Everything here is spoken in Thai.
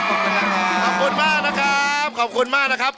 ขอบคุณมากนะครับขอบคุณมากนะครับ